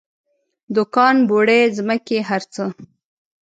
دوکان بوړۍ ځمکې هر څه.